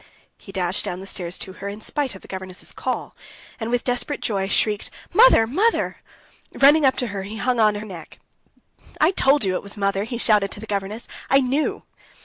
He dashed down the stairs to her, in spite of the governess's call, and with desperate joy shrieked: "Mother! mother!" Running up to her, he hung on her neck. "I told you it was mother!" he shouted to the governess. "I knew!"